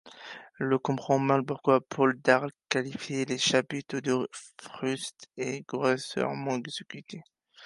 L'on comprend mal pourquoi Paul Darle qualifie les chapiteaux de frustes et grossièrement exécutés.